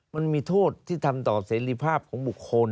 มันมีโทษที่ทำต่อเสรีภาพของบุคคล